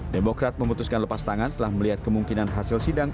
demokrat memutuskan lepas tangan setelah melihat kemungkinan hasil sidang